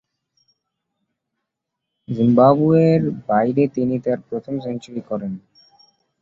জিম্বাবুয়ের বাইরে তিনি তার প্রথম সেঞ্চুরি করেন।